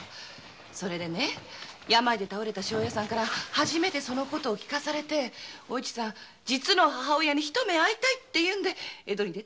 それで病で倒れた庄屋さんから初めてその事聞かされて実の母親に一目会いたいって江戸へ出て来たと言うんだよ。